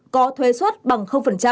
có thuê xuất bằng